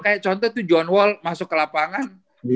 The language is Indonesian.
kayak contoh tuh john wall masuk ke lapangan